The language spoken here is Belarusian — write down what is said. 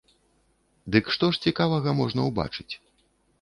Дык што ж цікавага можна ўбачыць?